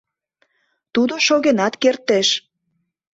Тудо шогенат кертеш...